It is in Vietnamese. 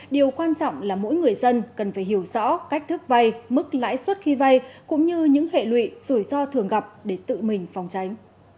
điều quan trọng là mỗi người dân cần phải hiểu rõ cách thức vay mức lãi suất khi vay cũng như những hệ lụy rủi ro thường gặp để tự mình phòng tránh